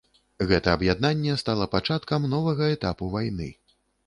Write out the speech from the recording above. Гэта аб'яднанне стала пачаткам новага этапу вайны.